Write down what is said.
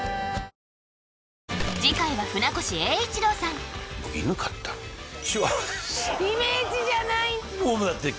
次回は船越英一郎さんイメージじゃないもうだって